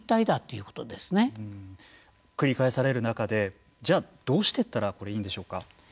繰り返される中でどうしていったらいいんでしょうか。